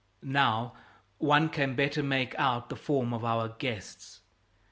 Now, one can better make out the form of our "guests."